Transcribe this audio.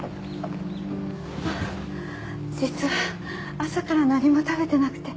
実は朝から何も食べてなくて